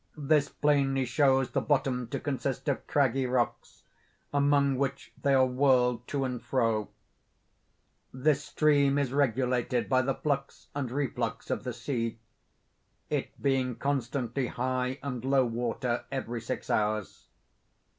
This plainly shows the bottom to consist of craggy rocks, among which they are whirled to and fro. This stream is regulated by the flux and reflux of the sea—it being constantly high and low water every six hours.